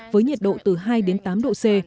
với nhiệt độ từ hai đến tám độ c